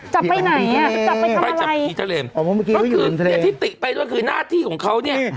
จับไปไหนอ่ะจับไปทำอะไรไปจับผีทะเลเพราะคือที่ติดไปก็คือหน้าที่ของเขาเนี่ย